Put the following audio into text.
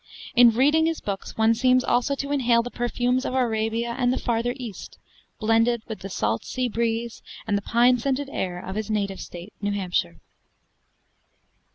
In reading his books one seems also to inhale the perfumes of Arabia and the farther East, blended with the salt sea breeze and the pine scented air of his native State, New Hampshire.